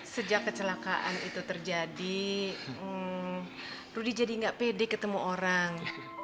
sejak kecelakaan itu terjadi rudy jadi gak pede ketemu orang